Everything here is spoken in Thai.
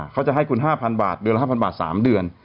เขาจะให้คุณ๕๐๐บาทเดือนละ๕๐๐บาท๓เดือน